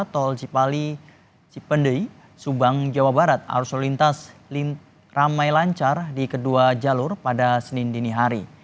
tol cipali cipendei subang jawa barat arus lalu lintas ramai lancar di kedua jalur pada senin dini hari